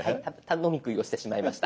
飲み食いをしてしまいました。